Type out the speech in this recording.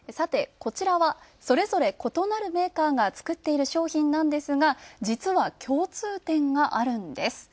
こちらは、それぞれ異なるメーカーが作っている商品なんですが実は共通点があるんです。